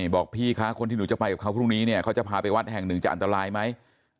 บอกพี่คะคนที่หนูจะไปกับเขาพรุ่งนี้เนี่ยเขาจะพาไปวัดแห่งหนึ่งจะอันตรายไหม